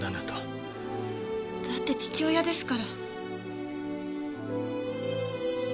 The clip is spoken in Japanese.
だって父親ですから。